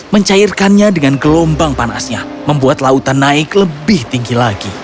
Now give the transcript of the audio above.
mencairkannya dengan gelombang panasnya membuat lautan naik lebih tinggi lagi